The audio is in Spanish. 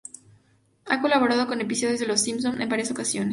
Ha colaborado con episodios de "Los Simpson" en varias ocasiones.